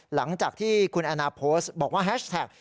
หลังจากที่คุณแอนนาโพสต์บอกว่าแฮชแท็ก